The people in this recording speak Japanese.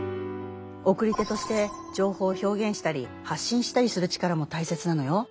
送り手として情報を表現したり発信したりする力もたいせつなのよ。